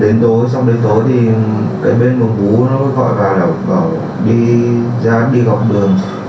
đến tối xong đến tối thì cái bên mường bú nó gọi vào đọc gọi đi ra đi gọc đường